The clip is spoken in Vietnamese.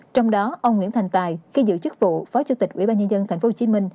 trong đó ông nguyễn thành tài khi giữ chức vụ phó chủ tịch ủy ban nhân dân tp hcm